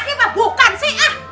laki mah bukan sih ah